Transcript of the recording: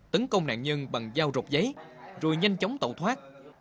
tấn công nạn nhân bằng dao rục giấy rồi nhanh chóng tẩu thoát